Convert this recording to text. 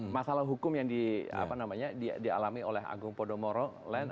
masalah hukum yang dialami oleh agung podomoro lain